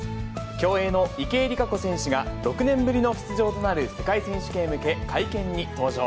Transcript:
競泳の池江璃花子選手が、６年ぶりの出場となる世界選手権へ向け会見に登場。